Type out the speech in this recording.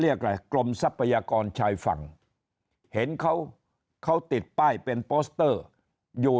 อะไรกรมทรัพยากรชายฝั่งเห็นเขาเขาติดป้ายเป็นโปสเตอร์อยู่